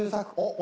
「お」